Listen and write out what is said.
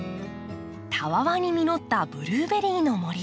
たわわに実ったブルーベリーの森。